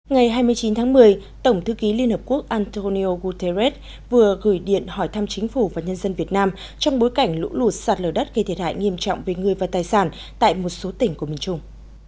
ngày hai mươi chín tháng một mươi tổng thư ký liên hợp quốc antonio guterres vừa gửi điện hỏi thăm chính phủ và nhân dân việt nam trong bối cảnh lũ lụt sạt lở đất gây thiệt hại nghiêm trọng về người và tài sản tại một số tỉnh của miền trung